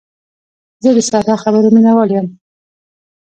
زه د ساده خبرو مینوال یم.